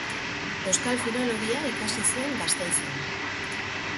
Euskal Filologia ikasi zuen Gasteizen.